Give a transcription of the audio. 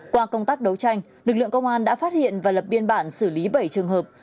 qua công tác đấu tranh lực lượng công an đã phát hiện và lập biên bản xử lý bảy trường hợp